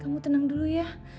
kamu tenang dulu ya